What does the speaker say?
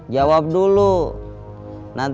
kau mau berangkat